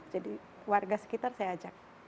jadi warga sekitar saya ajak